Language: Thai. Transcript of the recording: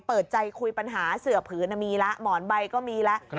เปิดใจคุยปัญหาเสือผืนมีแล้วหมอนใบก็มีแล้ว